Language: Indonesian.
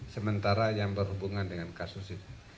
sementara yang berhubungan dengan kasus itu